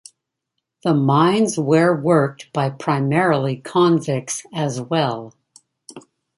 The mines where worked by primarily convicts as well.